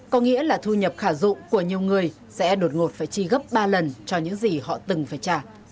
có nghĩa là thu nhập khả dụng của nhiều người sẽ đột ngột phải chi gấp ba lần cho những gì họ từng phải trả